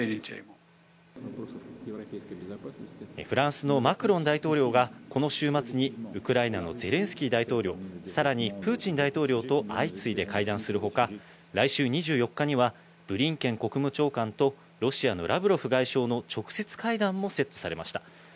フランスのマクロン大統領がこの週末にウクライナのゼレンスキー大統領、さらにプーチン大統領と相次いで会談するほか、来週２４日にはブリンケン国務長官とロシアのラブロフ外相の直接会談もセットされました。